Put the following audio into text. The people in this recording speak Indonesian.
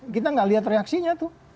kita gak lihat reaksinya tuh